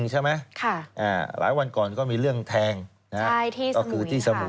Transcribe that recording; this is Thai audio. หลายวันก่อนก็มีเรื่องแทงต่อคือที่สมุย